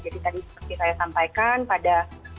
jadi tadi seperti saya sampaikan pada